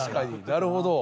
なるほど。